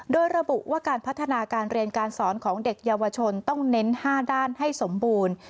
โดยระบุว่าการพัฒนาการเรียนการสอนของเด็กเยาวชนต้องเน้น๕ด้านให้สมบูรณ์